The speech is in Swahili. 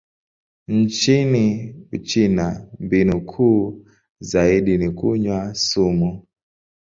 Nchini Uchina, mbinu kuu zaidi ni kunywa sumu.